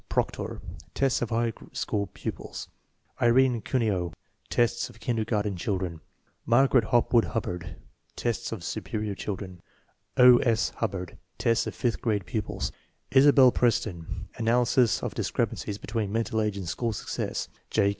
Proctor (tests of high school pupils); Irene Cuneo (tests of kindergarten children); Margaret Hopwood Hubbard (tests of superior children); O. S. Hubbard (tests of fifth grade pupils); Isabel Preston (analysis of discrepancies between mental age and school success); J.